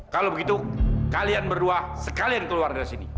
kalau begitu kalian berdua sekalian keluar dari sini